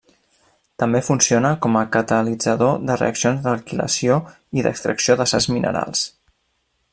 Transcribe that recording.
També funciona com catalitzador de reaccions d'alquilació i d'extracció de certs minerals.